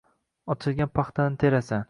Ochilgan paxtani terasan!